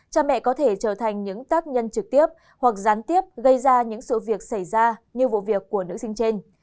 cha mẹ có thể trở thành những tác nhân trực tiếp hoặc gián tiếp gây ra những sự việc xảy ra như vụ việc của nữ sinh trên